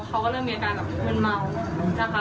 เขาก็เริ่มมีอาการแบบมืนเมานะคะ